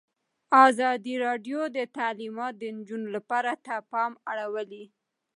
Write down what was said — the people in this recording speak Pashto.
ازادي راډیو د تعلیمات د نجونو لپاره ته پام اړولی.